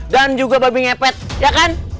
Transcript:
dan juga babi ngepet ya kan